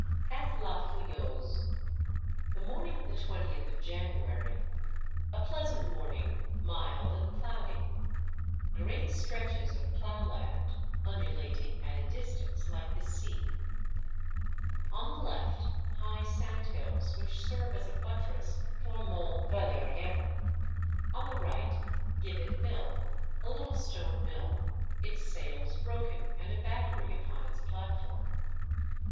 AT LA FOUILLEUSE. The morning of the twentieth of January. A pleasant mording, mild and cloudy. Great stretches of plou^h laiid, undulating at a distance, like the 3?:aL/: 'On thf^ left, high sand hills, which serve as a buttress for Mont Valerien. On the right, Gibet Mill, a httle stone mill, its sails broken and a battery upon its platform.